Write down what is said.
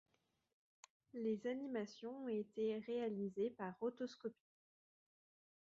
Les animations ont été réalisées par rotoscopie.